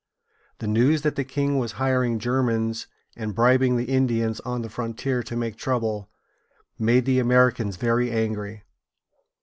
The news that the king was hiring Germans and bribing the Indians on the frontier to make trouble, made the Americans very angry.